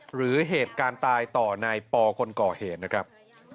หรือเหตุการณ์ตายต่อในปคเหตุนะครับ